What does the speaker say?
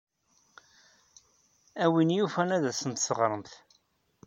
A win yufan ad asent-teɣremt.